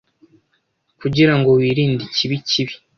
kugirango wirinde ikibi kibi